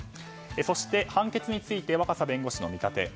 そして、判決について若狭弁護士の見立て。